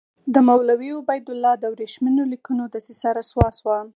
د مولوي عبیدالله د ورېښمینو لیکونو دسیسه رسوا شوه.